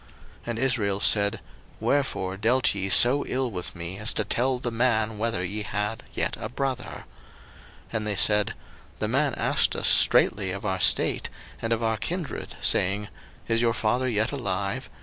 01:043:006 And Israel said, Wherefore dealt ye so ill with me, as to tell the man whether ye had yet a brother? 01:043:007 And they said, The man asked us straitly of our state, and of our kindred, saying, Is your father yet alive?